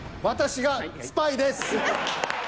私がスパイです。